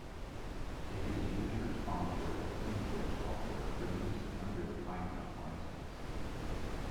It is user-sponsored, open-source software, released under the Python License.